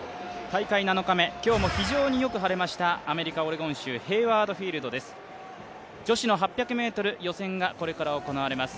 大会７日目、今日も非常によく晴れましたアメリカ・オレゴン州ヘイワード・フィールドです。